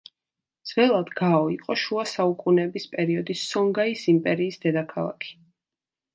ძველად გაო იყო შუა საუკუნეების პერიოდის სონგაის იმპერიის დედაქალაქი.